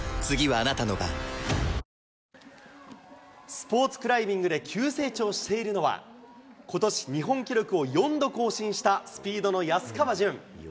スポーツクライミングで急成長しているのは、ことし日本記録を４度更新したスピードの安川潤。